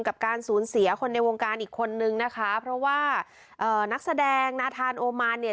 กับการสูญเสียคนในวงการอีกคนนึงนะคะเพราะว่าเอ่อนักแสดงนาธานโอมานเนี่ย